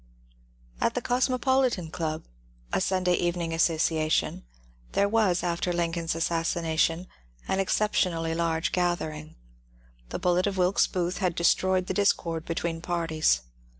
At the Cosmopolitan Club — a Sunday evening association — there was, after Lincoln's assassination, an exceptionally large gathering. The bullet of Wilkes Booth had destroyed the discord between parties.